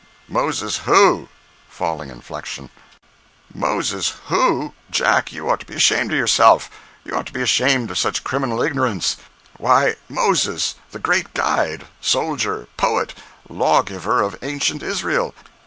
"Moses who?" (falling inflection). 058.jpg (62K) "Moses who! Jack, you ought to be ashamed of yourself—you ought to be ashamed of such criminal ignorance. Why, Moses, the great guide, soldier, poet, lawgiver of ancient Israel!